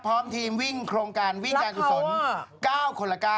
พร้อมทีมวิ่งโครงการวิ่งการกุศล๙คนละ๙